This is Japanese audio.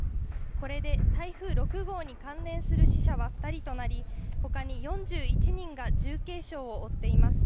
これで台風６号に関連する死者は２人となり、ほかに４１人が重軽傷を負っています。